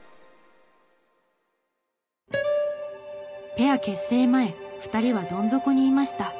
ペア結成前２人はどん底にいました。